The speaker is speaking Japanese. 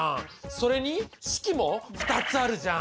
それに式も２つあるじゃん。